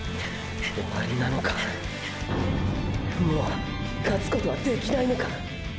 終わりなのかもう勝つことはできないのか！